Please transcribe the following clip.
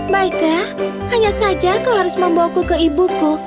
baiklah hanya saja kau harus membawaku ke ibuku